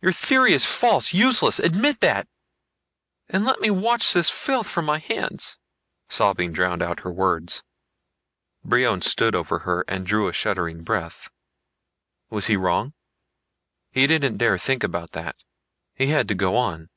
Your theory is false, useless. Admit that! And let me wash the filth from my hands...." Sobbing drowned out her words. Brion stood over her and drew a shuddering breath. Was he wrong? He didn't dare think about that. He had to go on.